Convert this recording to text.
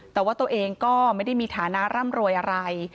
แต่ว่าตัวเองก็ไม่ได้มีฐานะร่ำรวยอะไร